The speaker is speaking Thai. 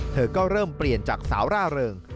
เธอก็เริ่มเปลี่ยนจากสาวร่าเริง